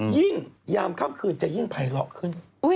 ยิ่งยามข้ามคืนจะยิ่งไผลเหลาะขึ้น